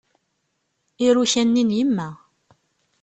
Iruka-nni n yemma.